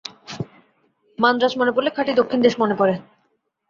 মান্দ্রাজ মনে পড়লে খাঁটি দক্ষিণদেশ মনে পড়ে।